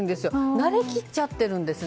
慣れ切っちゃってるんですね。